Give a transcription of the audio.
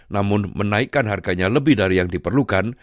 namun menaikkan harganya lebih dari yang diperlukan